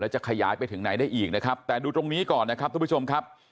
จะขยายไปถึงไหนได้อีกนะครับแต่ดูตรงนี้ก่อนนะครับทุกผู้ชมครับ